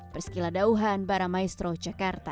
berskila dauhan baramaestro jakarta